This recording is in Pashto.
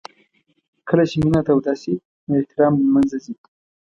کله چې مینه توده شي نو احترام له منځه ځي.